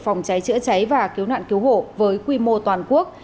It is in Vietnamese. phòng cháy chữa cháy và cứu nạn cứu hộ với quy mô toàn quốc